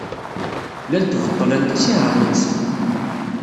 Llant beṭṭlent isihaṛen-nsent.